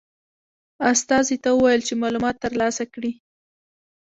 استازي ته وویل چې معلومات ترلاسه کړي.